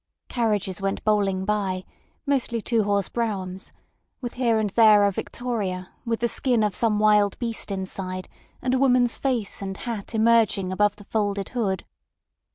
Carriages went bowling by, mostly two horse broughams, with here and there a victoria with the skin of some wild beast inside and a woman's face and hat emerging above the folded hood.